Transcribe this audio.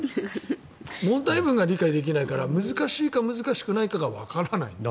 問題文が理解できないから難しいか難しくないかがわからない。